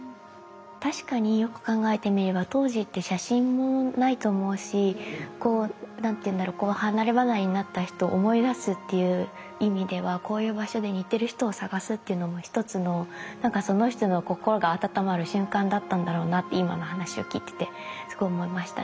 確かによく考えてみれば当時って写真もないと思うし何ていうんだろう離れ離れになった人を思い出すっていう意味ではこういう場所で似てる人を探すっていうのも一つのなんかその人の心が温まる瞬間だったんだろうなって今の話を聞いててすごい思いましたね。